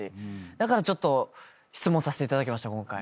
だからちょっと質問させていただきました今回。